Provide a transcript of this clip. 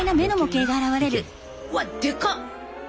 うわっ！でかっ！